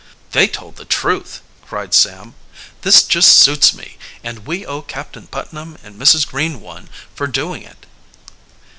"They told the truth," cried Sam. "This just suits me, and we owe Captain Putnam and Mrs. Green one for doing it."